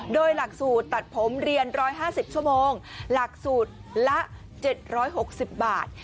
โดยหลักสูตรตัดผมเรียน๑๕๐ชั่วโมงหลักสูตรละ๗๖๐บาท